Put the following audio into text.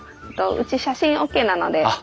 うち写真ＯＫなのでどうぞ。